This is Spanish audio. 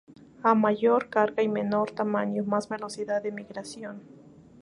A mayor carga y menor tamaño, más velocidad de migración.